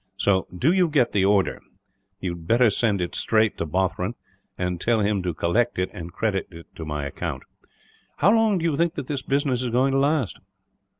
So, do you get the order. You had better send it straight to Bothron; and tell him to collect it, and credit it to my account. "How long do you think that this business is going to last?"